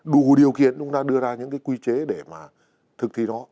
đủ điều kiện chúng ta đưa ra những cái quy chế để mà thực thi nó